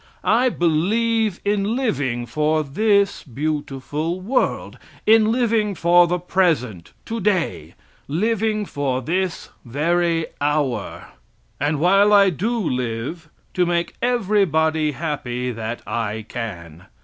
I believe in living for this beautiful world in living for the present, today; living for this very hour, and while I do live to make everybody happy that I can.